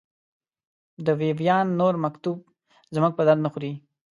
د وي ویان نور مکتوب زموږ په درد نه خوري.